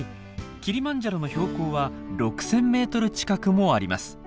キリマンジャロの標高は６，０００ｍ近くもあります。